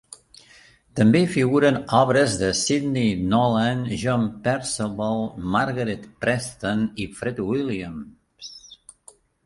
També hi figuren obres de Sidney Nolan, John Perceval Margaret Preston i Fred Williams.